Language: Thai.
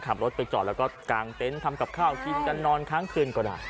ขับรถไปจอดแล้วก็กางเต็นต์ทำกับข้าวกินกันนอนค้างคืนก็ได้